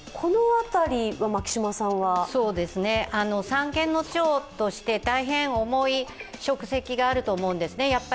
三権の長として大変重い職責があると思うんですね。